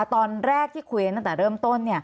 ตอนแรกที่คุยกันตั้งแต่เริ่มต้น